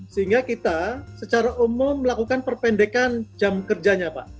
sehingga kita secara umum melakukan perpendekan jam kerjanya pak